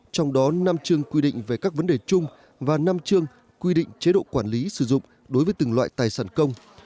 trong đó năm chương quy định về các vấn đề chung và năm chương quy định chế độ quản lý sử dụng đối với từng loại tài sản công